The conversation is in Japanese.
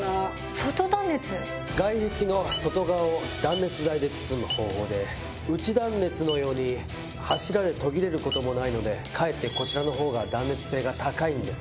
外壁の外側を断熱材で包む方法で内断熱のように柱で途切れることもないのでかえってこちらのほうが断熱性が高いんです。